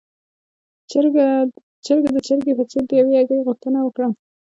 چرګ د چرګې په څېر د يوې هګۍ غوښتنه وکړه.